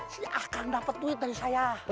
si akang dapat duit dari saya